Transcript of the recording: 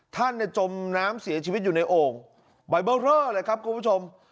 ท่านจมน้ำเสียชีวิตอยู่ในโอ่งใบเบอร์เรอเลยครับคุณผู้ชม